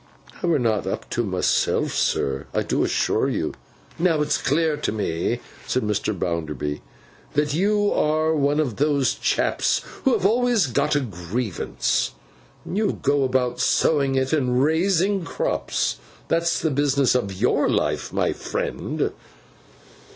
'I were not up to 't myseln, sir; I do assure yo.' 'Now it's clear to me,' said Mr. Bounderby, 'that you are one of those chaps who have always got a grievance. And you go about, sowing it and raising crops. That's the business of your life, my friend.